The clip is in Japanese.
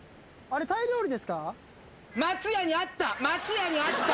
松屋にあった。